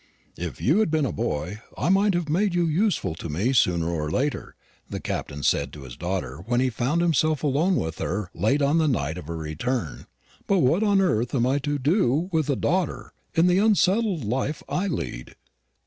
"If you had been a boy, I might have made you useful to me sooner or later," the Captain said to his daughter when he found himself alone with her late on the night of her return; "but what on earth am I to do with a daughter, in the unsettled life I lead?